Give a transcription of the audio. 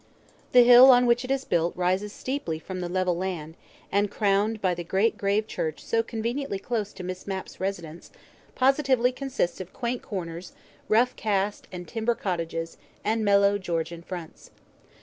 The hill on which it is built rises steeply from the level land, and, crowned by the great grave church so conveniently close to Miss Mapp's residence, positively consists of quaint corners, rough cast and timber cottages, and mellow Georgian fronts.